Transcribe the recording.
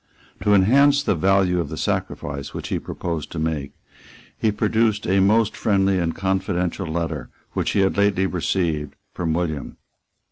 To enhance the value of the sacrifice which he proposed to make, he produced a most friendly and confidential letter which he had lately received from William.